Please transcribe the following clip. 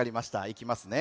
いきますね。